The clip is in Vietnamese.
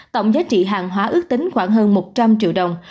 tổng giá trị hàng hóa ước tính khoảng hơn một trăm linh triệu đồng